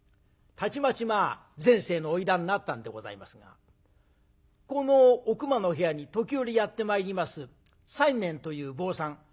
たちまち全盛の花魁になったんでございますがこのおくまの部屋に時折やって参ります西念という坊さん。